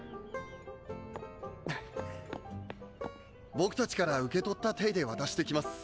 僕たちから受け取ったテイで渡してきます。